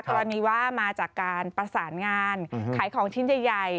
กรณีว่ามาจากการประสานงานขายของชิ้นใหญ่